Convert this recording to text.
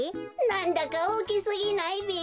なんだかおおきすぎないべ？